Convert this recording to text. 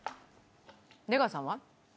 出川さんは？